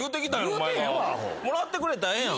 もらってくれたらええやん。